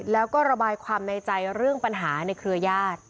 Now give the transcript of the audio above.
แล้วก็ระบายความในใจเรื่องปัญหาในเครือญาติ